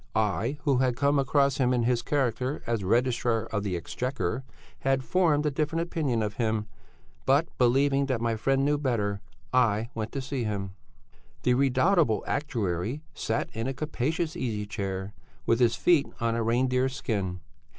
"I, who had come across him in his character as Registrar of the Exchequer, had formed a different opinion of him, but believing that my friend knew better, I went to see him. "The redoubtable actuary sat in a capacious easy chair with his feet on a reindeer skin.